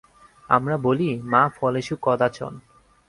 আমরা বলি, মা ফলেষু কদাচন।